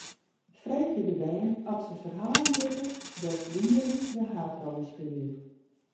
Freegje de bern oft se ferhalen witte dêr't dieren de haadrol yn spylje.